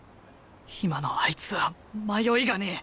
今のあいつは迷いがねえ。